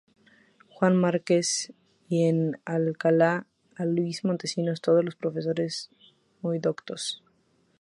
Juan Márquez y en Alcalá a Luis Montesinos, todos profesores muy doctos.